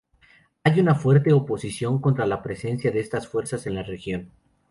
Hay una fuerte oposición contra la presencia de estas fuerzas en la región.